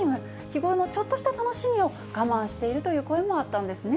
日頃のちょっとした楽しみを我慢しているという声もあったんです